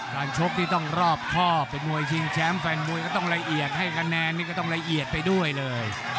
ชกที่ต้องรอบข้อเป็นมวยชิงแชมป์แฟนมวยก็ต้องละเอียดให้คะแนนนี่ก็ต้องละเอียดไปด้วยเลย